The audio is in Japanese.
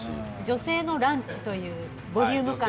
女性のランチというボリューム感。